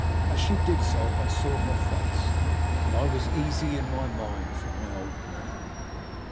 As she did so I saw her face, and I was easy in my mind for my old man.